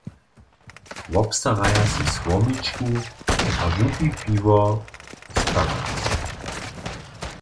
Wobstara sej słomičku a wupi piwo z karana.